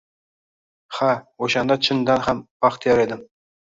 Ha, o`shanda chindanam baxtiyor edim